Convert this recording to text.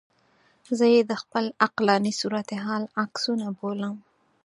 زه یې د خپل عقلاني صورتحال عکسونه بولم.